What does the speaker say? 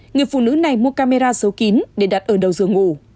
người phụ nữ này mua camera số kín để đặt ở đầu giường ngủ